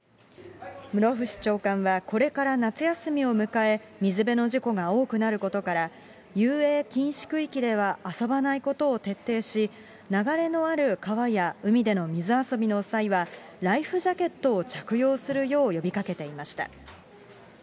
室伏長官は、これから夏休みを迎え、水辺の事故が多くなることから、遊泳禁止区域では遊ばないことを徹底し、流れのある川や海での水遊びの際は、ライフジャケットを着用するよう呼びかけていました。